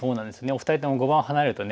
お二人とも碁盤離れるとね